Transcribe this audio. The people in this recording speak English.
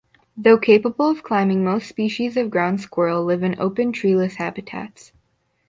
Though capable of climbing, most species of ground squirrel live in open, treeless habitats.